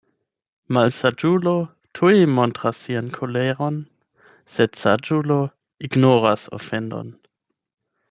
Malsaĝulo tuj montras sian koleron; Sed saĝulo ignoras ofendon.